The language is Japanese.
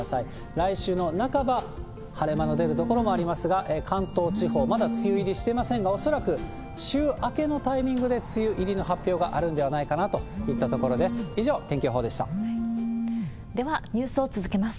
来週の半ば、晴れ間の出る所もありますが、関東地方、まだ梅雨入りしてませんが、恐らく週明けのタイミングで梅雨入りの発表があるんではないかなといったところです。